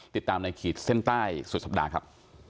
ติดตามในขีดเส้นใต้สุดสัปดาห์ครับ